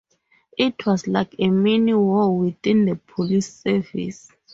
It was like a mini war within the police service.